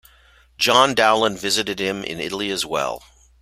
John Dowland visited him in Italy as well.